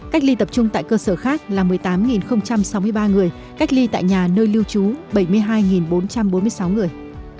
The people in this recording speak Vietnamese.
cách ly tập trung tại cơ sở khác là một mươi tám sáu mươi ba người cách ly tại nhà nơi lưu trú bảy mươi hai bốn trăm bốn mươi sáu người